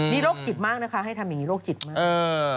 นี่โรคจิตมากนะคะให้ทำอย่างนี้โรคจิตมาก